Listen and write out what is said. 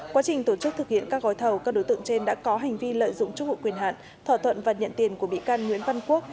quá trình tổ chức thực hiện các gói thầu các đối tượng trên đã có hành vi lợi dụng chức vụ quyền hạn thỏa thuận và nhận tiền của bị can nguyễn văn quốc